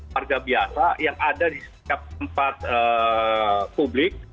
warga biasa yang ada di setiap tempat publik